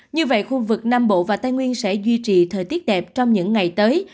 như vậy khu vực nam bộ và tây nguyên sẽ duy trì thời tiết đẹp trong những ngày tới